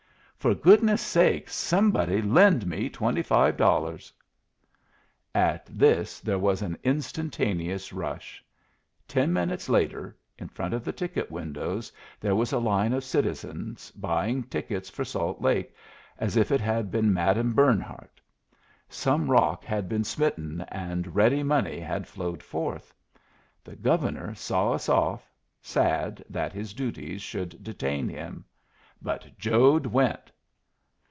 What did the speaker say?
For goodness' sake, somebody lend me twenty five dollars!" At this there was an instantaneous rush. Ten minutes later, in front of the ticket windows there was a line of citizens buying tickets for Salt Lake as if it had been Madame Bernhardt. Some rock had been smitten, and ready money had flowed forth. The Governor saw us off, sad that his duties should detain him. But Jode went!